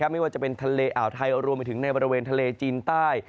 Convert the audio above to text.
ไม่ว่าจะเป็นทะเลอ่าวไทยรวมไปถึงในบริเวณทะเลจีนใต้